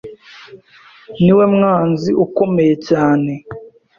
Niwe mwanzi ukomeye cyane